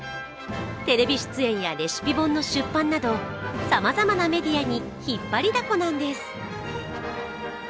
テレビ出演やレシピ本の出版などさまざまなメディアに引っ張りだこなんです。